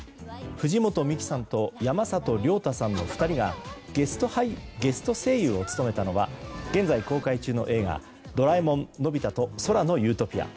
藤本美貴さんと山里亮太さんの２人がゲスト声優を務めたのは現在公開中の「ドラえもんのび太と空の理想郷」。